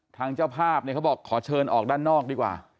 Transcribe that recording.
ทางเจ้าภาพเนี่ยเขาบอกขอเชิญออกด้านนอกดีกว่า